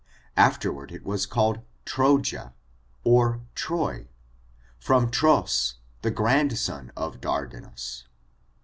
Afterward it was called Troja, or Troy, from Tros, the grand son of Dardanus.